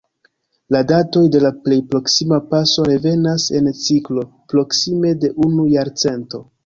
La datoj de la plej proksima paso revenas en ciklo proksime de unu jarcento.